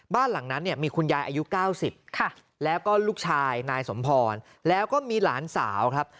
บ้านหลังนั้นเนี่ยมีคุณยายอายุ๙๐แล้วก็ลูกชายนายสมพรแล้วก็มีหลานสาวครับ